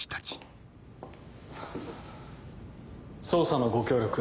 捜査のご協力